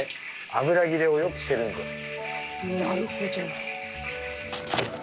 なるほど。